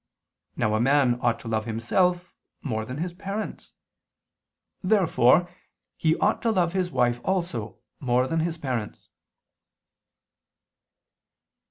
Now a man ought to love himself more than his parents. Therefore he ought to love his wife also more than his parents.